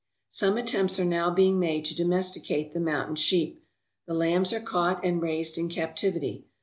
Some attempts are now being made to domesticate the mountain sheep. The lambs are caught and raised in captivity.